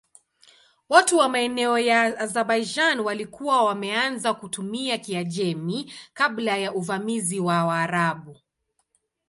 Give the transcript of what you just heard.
Watu wa maeneo ya Azerbaijan walikuwa wameanza kutumia Kiajemi kabla ya uvamizi wa Waarabu.